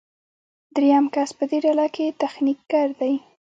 دریم کس په دې ډله کې تخنیکګر دی.